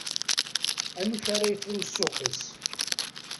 Amek ara yefru ssuq-is.